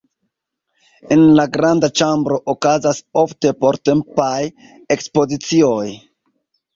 En la granda ĉambro okazas ofte portempaj ekspozicioj.